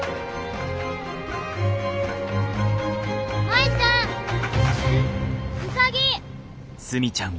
舞ちゃん！